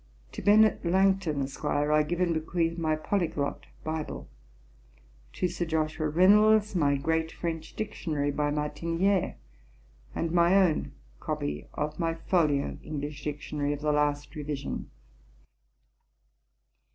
To Bennet Langton, Esq. I give and bequeath my Polyglot Bible. To Sir Joshua Reynolds, my great French Dictionary, by Martiniere, and my own copy of my folio English Dictionary, of the last revision.